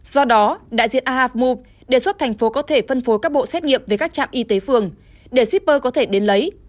do đó đại diện ahammu đề xuất thành phố có thể phân phối các bộ xét nghiệm về các trạm y tế phường để shipper có thể đến lấy